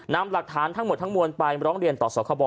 นำหลักฐานทั้งหมดทั้งมวลไปร้องเรียนต่อสคบ